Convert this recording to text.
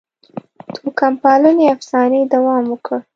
توکم پالنې افسانې دوام وکړ.